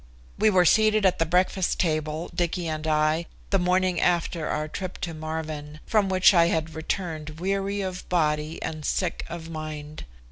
We were seated at the breakfast table, Dicky and I, the morning after our trip to Marvin, from which I had returned weary of body and sick of mind.